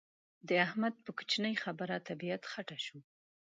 د احمد په کوشنۍ خبره طبيعت خټه شو.